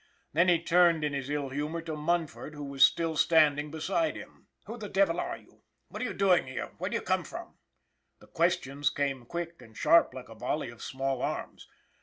Then he turned in his ill humor to Munford, who was still standing beside him. " Who the devil are you ? What you doin' here ? Where d'ye come from?" The questions came quick and sharp like a volley of small arms.